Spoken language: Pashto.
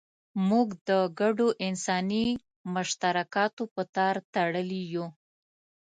موږ د ګډو انساني مشترکاتو په تار تړلي یو.